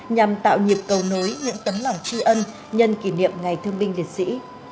nhằm tạo nhịp cầu nối những tấm lòng tri ân nhân kỷ niệm ngày thương binh liệt sĩ